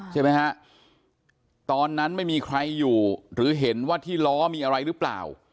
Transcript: ใช่ไหมฮะตอนนั้นไม่มีใครอยู่หรือเห็นว่าที่ล้อมีอะไรหรือเปล่า